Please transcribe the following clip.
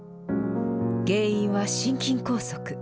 原因は心筋梗塞。